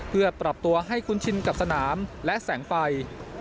เพื่อปรับตัวให้คุ้นชินกับสนามและแสงไฟ